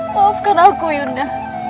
maafkan aku yunda